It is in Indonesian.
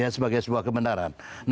sebagai sebuah kebenaran